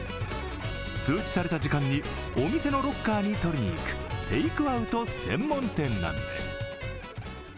通知された時間にお店のロッカーに取りに行くテイクアウト専門店なんです。